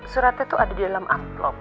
suratnya itu ada di dalam amplop